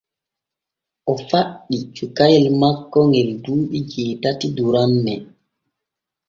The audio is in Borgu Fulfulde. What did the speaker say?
O faɗɗi cukayel makko ŋe duuɓi jeetati duranne.